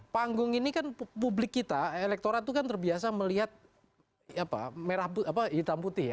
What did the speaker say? panggung ini kan publik kita elektorat itu kan terbiasa melihat hitam putih ya